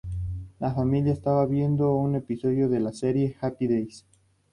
La familia está viendo un episodio de la serie "Happy Days".